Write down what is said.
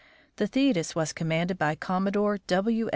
The Thetis was commanded by Commodore W.